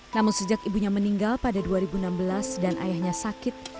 namun sejak ibunya meninggal pada dua ribu enam belas dan ayahnya sakit